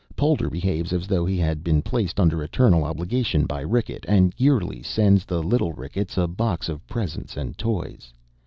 Polder behaves as though he had been placed under eternal obligation by Rickett, and yearly sends the little Ricketts a box of presents and toys.